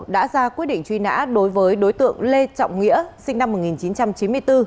đã ra quyết định truy nã đối với đối tượng lê trọng nghĩa sinh năm một nghìn chín trăm chín mươi bốn